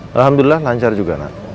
alhamdulillah lancar juga nak